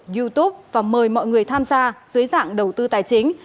youtube và mời mọi người tham gia dưới dạng đầu tư tài chính